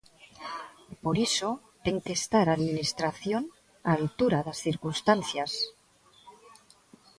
Por iso ten que estar a Administración á altura das circunstancias.